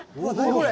これ。